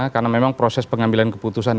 karena memang proses pengambilan keputusan